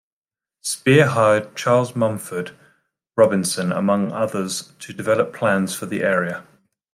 Speer hired Charles Mulford Robinson among others to develop plans for the area.